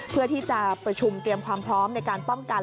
เพื่อที่จะประชุมเตรียมความพร้อมในการป้องกัน